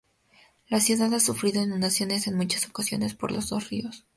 La ciudad ha sufrido inundaciones en muchas ocasiones por los dos ríos.